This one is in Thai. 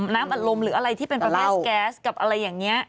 น้ำอัดลมหรืออะไรที่เป็นประเภทแก๊สกับอะไรอย่างนี้